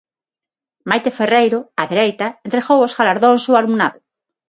Maite Ferreiro, á dereita, entregou os galardóns ao alumnado.